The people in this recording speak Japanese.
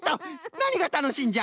なにがたのしいんじゃ？